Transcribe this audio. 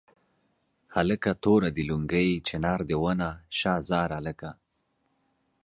هلکه توره دې لونګۍ چنار دې ونه شاه زار هلکه.